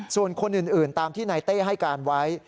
ส่วนคนอื่นตามที่นายเต้ให้การไว้